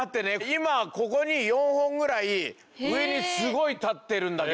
今ここに４本ぐらい上にすごい立ってるんだけど。